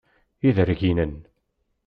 Iderginen.